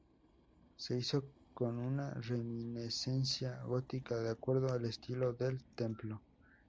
Se hizo con una reminiscencia gótica, de acuerdo al estilo del templo.